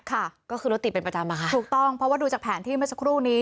ค่ะก็คือรถติดเป็นประจำอะค่ะถูกต้องเพราะว่าดูจากแผนที่เมื่อสักครู่นี้